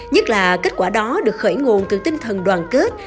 nhất là kết quả đó được khởi nguồn từ tinh thần đoàn kết